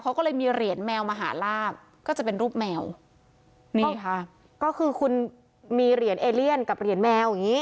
เขาก็เลยมีเหรียญแมวมหาลาบก็จะเป็นรูปแมวนี่ค่ะก็คือคุณมีเหรียญเอเลียนกับเหรียญแมวอย่างงี้